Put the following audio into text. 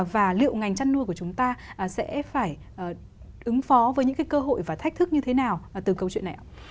và liệu ngành chăn nuôi của chúng ta sẽ phải ứng phó với những cái cơ hội và thách thức như thế nào từ câu chuyện này ạ